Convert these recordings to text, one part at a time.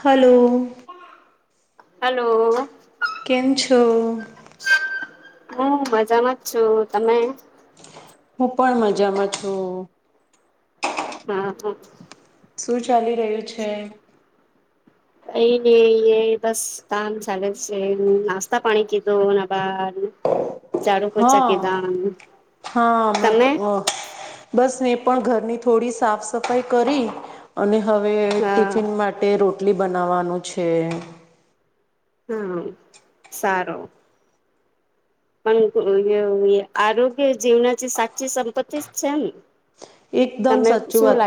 Hello hello કેમ છો હું મજામાં જ છું તમે હું પણ મજામાં છું હમ હમ શું ચાલી રહ્યું છે કઈ નઈ એ બસ કામ ચાલે છે નાસ્તા પાણી કીધું બાર ઝાડુ હ પોચા કીધા હા બક તમે બસ મેં પણ ઘરની થોડી સાફ સફાઈ કરી અને હવે હા ટિફિન માટે રોટ રોટલી બનાવાનું છે હમ સારું પણ ઓ જે આરોગ્ય જીવનાથી સાચી સંપત્તિ જે છેને એકદમ સાચુ વાત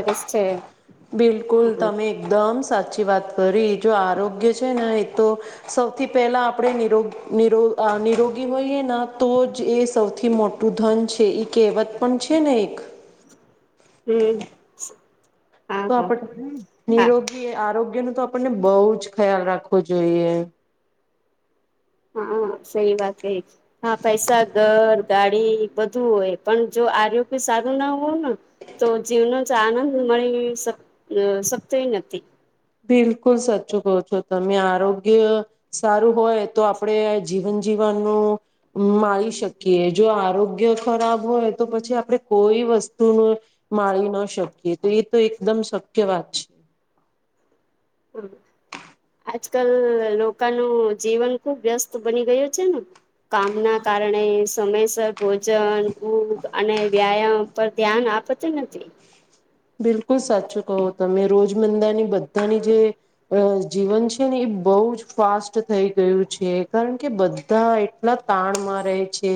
બિલકુલ હમ તમે એકદમ સાચા ચી વાત કરી જો આરોગ્ય છે ને એ તો સૌથી પહેલા આપડે નિરોગી નિરો અ નિરોગી હોઈએ ને તો જ એ સૌથી મોટું ધન છે ઈ કહેવત પણ છે ને એક હમ તો આપણે નિરોગી આરોગ્ય ગ્યનું તો આપણને બહુ જ ખ્યાલ રાખવો જોઈએ હા સહિ વાત કહી હા પૈસા ઘર ગાડી બધું હોય પણ જો આરોગ્ય સારું ન હોય ન તો જીવનો જ આનંદ મળી શક શકતોય નથી બિલકુલ સાચું કહો છો તમે આરોગ્ય સારું હોય તો આપડે જીવન જીવાનું માળી શકીએ જો આરોગ્ય ખરાબ હોય તો પછી આપડે કોઈ વસ્તુનું માળી ના શકીએ તો એ તો એકદમ શક્ય વાત છે હમ આજ કલ લોકાનું જીવન ખુબ વ્યસ્ત બની ગયું છે ને કામ ના કારણે સમયસર ભોજન ભુખ અને વ્યાયામ પર ધ્યાન આપતી નથી બિલકુલ સાચું કહો તમે રોજ મંદાની બધાની જે અ જીવન છે ને એ બહુ જ ફાસ્ટ થઈ ગયું છે કારણ કે બધા એટલા કામમાં રહે છે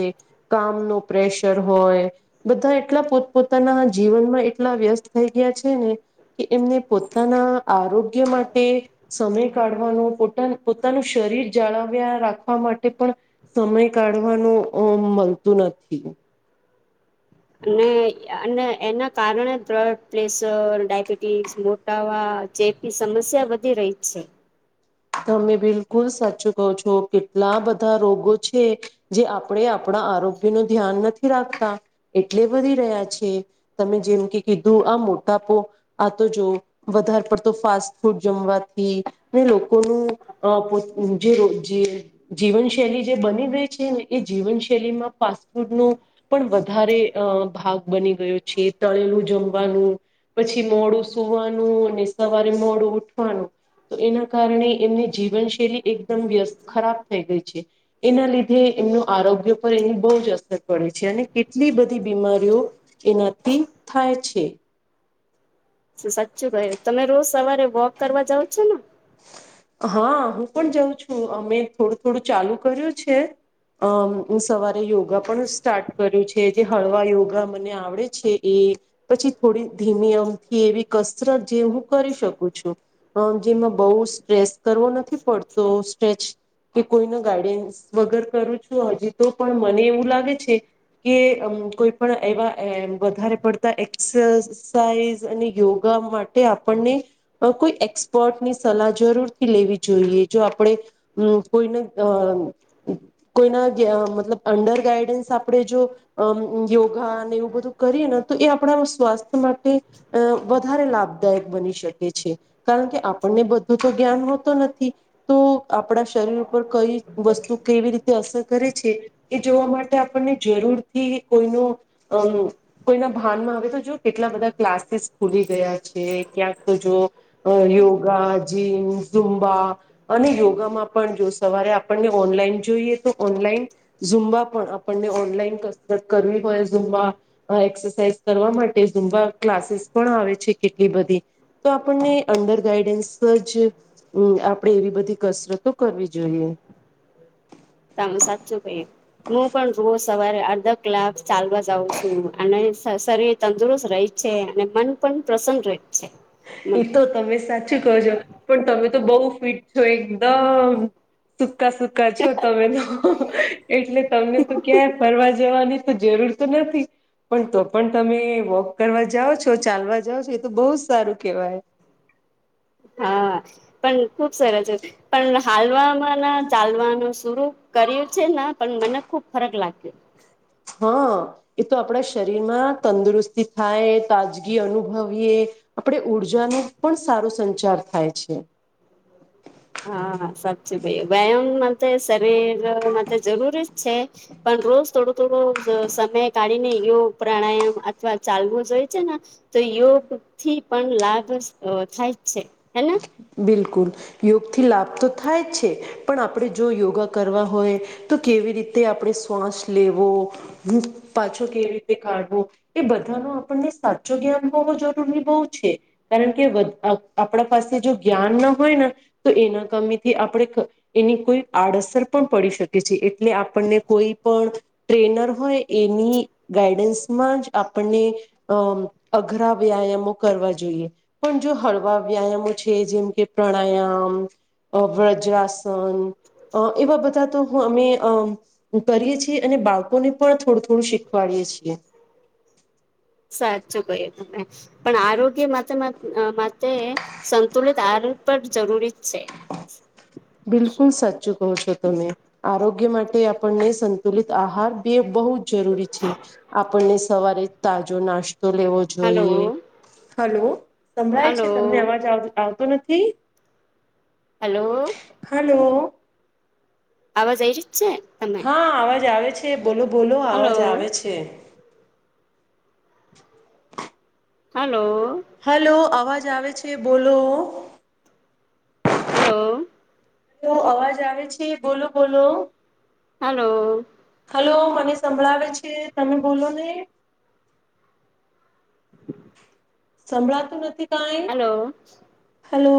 કામનું પ્રેશર હોય બધા એટલા પોત પોતાના જીવનમાં એટલા વ્યસ્ત થઈ ગયા છે ને કે એમને પોતાના આરોગ્ય માટે સમય કાઢવાનો પોતાના પોતાનું શરીર જાળવ્યા રાખવા માટે પણ સમય કાઢવાનું અ મળતું નથી અને અને એના કારણે બ્રડ પ્રેશર ડાયબિટીસ મોટાવા જે બી સમસ્યા વધી રહી છે તમે બિલકુલ સાચું કહો છો કેટલા બધા રોગો છે જે આપણે આપણા આરોગ્ય ન ધ્યાન નથી રાખતા એટલે વધી રહ્યા છે તમે જેમ કે કીધું આ મોટાપો આ તો જો વધાર પડતો ફાસ્ટ ફૂડ જમવાથી ને લોકોનું અ પો જે જીવનશૈલી જે બની ગઈ છે ને એ જીવનશૈલીમાં ફાસ્ટફૂડનું પણ વધારે અ ભાગ બની ગયો છે તળેલું જમવાનું પછી મોડું સુવાનું અને સવારે મોડું ઉઠવાનું તો એનો કારણે એમની જીવનશૈલી એકદમ વ્યસ્ત ખરાબ થઈ ગઈ છે એના લીધે એમનું આરોગ્ય પર એની બહુ જ અસર પડી છે અને કેટલી બધી બીમારીઓ એનાથી થાય છે સાચું ભાઈ તમે રોજ સવારે વોક કરવા જાઓ છો ને હા હું પણ જાઉં છું અમે થોડું થોડું ચાલુ કર્યું છે અમ સવારે યોગા પણ સ્ટાર્ટ કર્યું છે જે હળવા યોગા મને આવડે છે એ પછી થોડી ધીમી અમથી એવી કસરત જે હું કરી શકું છું પણ જેમાં બહુ સ્ટ્રેસ કરવો નથી પડતો સ્ટ્રેચ કે કોઈને ગાઈડન્સ વગર કરું છું હજી તો પણ મને એવું લાગે છે કે અમ કોઈ પણ એવા એમ વધારે પડતા એક્સરસાઇઝ અને યોગા માટે આપણને અ કોઈ એક્સપર્ટની સલાહ જરૂર થી લેવી જોઈએ. જો આપણે કોઈને અ કોઈના મતલબ અંડર ગાઈડન્સ આપણે જો યોગા એવું બધું કરીએ ને તો એ આપણા સ્વાસ્થ્ય માટે અ વધારે લાભદાયક બની શકે છે કારણ કે આપને બધું તો જ્ઞાન હોતો નથી. તો આપણા શરીર ઉપર કઈ વસ્તુ કેવી રીતે અસર કરે છે એ જોવા માટે આપણને જરૂરથી કોઈનો અ કોઈના ભાનમાં હવે તો જો કેટલા બધા ક્લાસીસ ખુલી ગયા છે, ક્યાંક તો જો યોગ ગા, જીમ, જુમ્બા અને યોગામાં પણ જો સવારે આપને ઓનલાઈન જોઈએ તો ઓનલાઈન ઝુંબા પણ આપણને ઓનલાઈન કસરત કરવી હોય ઝુંબા એક્સરસાઇઝ કરવા માટે ઝુંબા ક્લાસીસ પણ આવે છે કેટલી બધી તો આપણને અંદર ગાઈડન્સ જ આપણેે એવી બધી કસરતો કરવી જોઈએ. તમ સાચું ભાઈ હું પણ રોજ સવારે અડધા કલાક ચાલવા જાઉં છું અને શરીર તંદુરસ્ત રહેહી છે અને મન પણ પ્રસન્ન રહે છે. એ તો તમે સાચું જો પણ તમે તો બઉ ફિટ છો એકદમ સુકા સુકા છો તમે તો. એટલે તમને તો ક્યાંય ફરવા જવાની તો જરૂર તો નથી પણ તો પણ તમે વોક કરવા જાઓ છો, ચાલવા જાઓ છો એ તો બહુ સારું કેવાય. હા પણ ખુબ સરસ છે. પણ હાલવામાં ના ચાલવાનું શરું કર્યું છે પણ મને ખુબ ફરક લાગ્યો. હા એ તો આપણા શરીરમાં તંદુરસ્તી થાય તાજગી અનુભવીએ આપણેે ઊર્જાનું પણ સારો સંચાર થાય છે. હા હા સાચુ કહ્યું વ્યાયામ માં શરીરમાં જરૂરી જ છે પણ રોજ થોડો થોડો સમય કાઢીને યોગ પ્રાણાયામ અથવા ચાલવું જોઈએ છે ને તો યોગ થી પણ લાભ અ થાય જ છે. હેને બિલકુલ. યો થી લાભ તો થાય છે. પણ આપણે જો યોગા કરવા હોય તો કેવી રીતે આપણે શ્વાસ લેવો, પાછો કેવી રીતે કાઢવો એ બધાનો આપણને સાચો જ્ઞાન હોવો જરૂરી બહુ છે. કારણ કે બ આપડા પાસે જો જ્ઞાન ના હોય ને તો એના કમીથી આપણે એની કોઈ આડઅસર પણ પડી શકે છે. એટલે આપણને કોઈ પણ ટ્રેનર હોય એની ગાઈડન્સમાં જ આપણને અ અઘરા વ્યાયામો કરવા જોઈએ. પણ જો હળવા વ્યાયામો છે. જેમ કે પ્રાણાયામ, અ વ્રજ્રાસન અ એવા બધા તો અમે કરીએ છીએ અને બાળકોને પણ થોડું થોડું શીખવાડીએ છીએ. સાચું કહીએ તમે પણ આરોગ્ય માટે માટે સંતુલિત આ પર જરૂરી જ છે. બિલકુલ સાચુ કો છો તમે. આરોગ્ય માટે આપણને સંતુલિત આહાર બે બહુ જ જરૂરી છે. આપણને સવારે તાજો નાસ્ તો લેવો હલો જોઈએ. હાલો. સંભળાય છે હલો તમને અવાજ આવ આવતો નથી? હલો [unintelligible] હાલો. આવાજ આય છે? તમે હા અવાજ આવે છે. બોલો બોલો હલો અવાજ આવે છે. હાલો. હાલો અવાજ આવે છે. બોલો. હાલો. હાલો અવાજ આવે છે. બોલો બોલો. હાલો. હાલો મને સંભળાવે છે, તમે બોલો ને. [inaudible] સંભળાતું નથી. કઈ હાલો હલો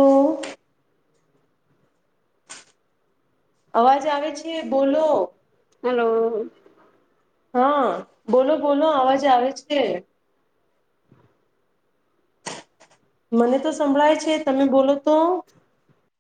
અવાજ આવે છે બોલો હલો હા બોલો બોલો અવાજ આવે છે મને તો સંભળાય છે તમે બોલો તો